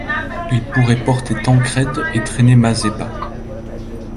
Il pourrait porter Tancrède et traîner Mazeppa.